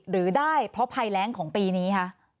หรือได้เพราะภัยแรงของปีนี้คะ